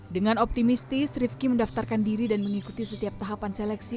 dengan optimistis rifki mendaftarkan diri dan mengikuti setiap tahapan seleksi